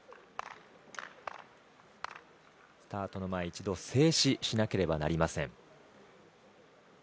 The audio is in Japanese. スタートの前、一度静止しなければなりません。